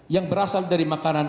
yang berasal dari makanan